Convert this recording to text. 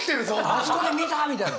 あそこで見た！みたいな？